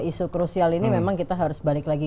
isu krusial ini memang kita harus balik lagi